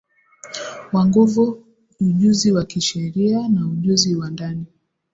wa nguvu ujuzi wa kisheria na ujuzi wa ndani